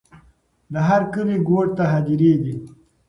د هر کلي ګوټ ته هدېرې دي.